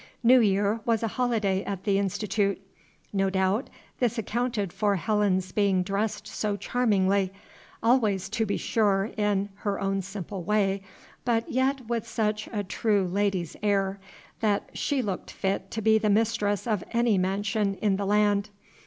New Year was a holiday at the Institute. No doubt this accounted for Helen's being dressed so charmingly, always, to be sure in, her own simple way, but yet with such a true lady's air, that she looked fit to be the mistress of any mansion in the land.